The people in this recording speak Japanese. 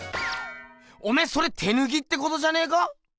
おめえそれ手ぬきってことじゃねえか？